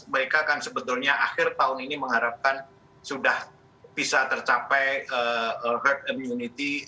mereka kan sebetulnya akhir tahun ini mengharapkan sudah bisa tercapai herd immunity